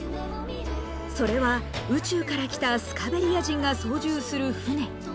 それは宇宙から来たスカベリア人が操縦する船。